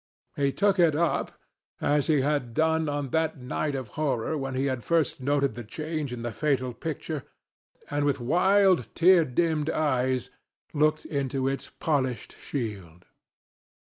He took it up, as he had done on that night of horror when he had first noted the change in the fatal picture, and with wild, tear dimmed eyes looked into its polished shield.